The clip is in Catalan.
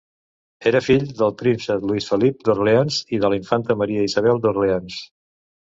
Era fill del príncep Lluís Felip d'Orleans i de la infanta Maria Isabel d'Orleans.